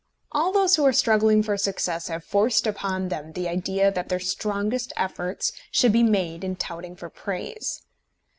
All those who are struggling for success have forced upon them the idea that their strongest efforts should be made in touting for praise.